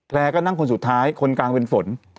ก็นั่งคนสุดท้ายคนกลางเป็นฝน